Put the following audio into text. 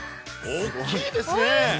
大きいですね。